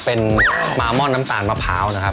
เป็นมาม่อนน้ำตาลมะพร้าวนะครับ